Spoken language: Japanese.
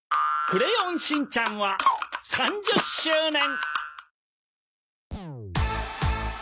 『クレヨンしんちゃん』は３０周年。